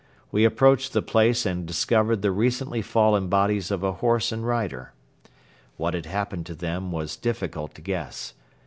We approached the place and discovered the recently fallen bodies of a horse and rider. What had happened to them was difficult to guess.